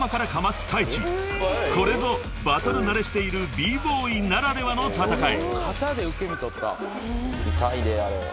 ［これぞバトル慣れしているＢ−ＢＯＹならではの戦い］